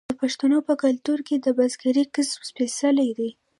د پښتنو په کلتور کې د بزګرۍ کسب سپیڅلی دی.